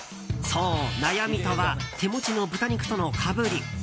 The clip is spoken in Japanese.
そう、悩みとは手持ちの豚肉とのかぶり。